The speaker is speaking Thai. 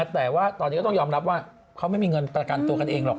แต่ว่าตอนนี้ก็ต้องยอมรับว่าเขาไม่มีเงินประกันตัวกันเองหรอก